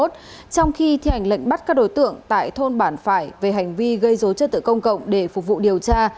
trong khi thi hành lệnh bắt các đối tượng tại thôn bản phải về hành vi gây dối trật tự công cộng để phục vụ điều tra